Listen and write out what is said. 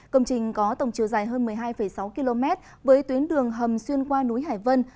công trình có tổng chiều dài hơn một mươi hai sáu km với tuyến đường hầm xuyên qua núi hải vân